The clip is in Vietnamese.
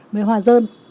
với hoa dơn